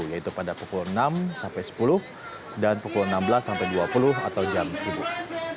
yaitu pada pukul enam sampai sepuluh dan pukul enam belas sampai dua puluh atau jam sibuk